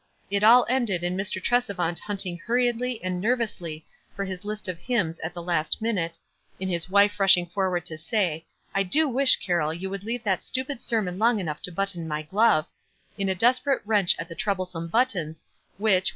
It all ended in Mr. Tresevant hunting hurriedly and nervously for his list of hymns at the last minute — in his wife rushing forward to say, "I do wish, Car roll, you could leave that stupid sermon long enough to button my glove" — in a desperate wrench at the troublesome buttons, which, with 16 WISE AXD OTHERWISE.